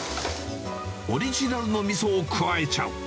オリジナルのみそを加えちゃう。